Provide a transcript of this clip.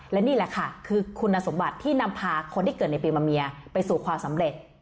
และนี่แหละค่ะคือคุณสมบัติที่นำพาคนที่เกิดในปีมะเมียไปสู่ความสำเร็จ